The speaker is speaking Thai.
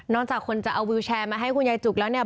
นอกจากคนจะเอาวิวแชร์มาให้คุณยายจุกแล้ว